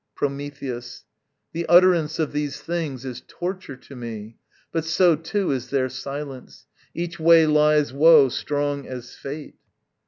Prometheus. The utterance of these things is torture to me, But so, too, is their silence; each way lies Woe strong as fate.